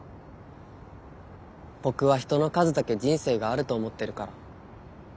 ボクは人の数だけ人生があると思ってるから。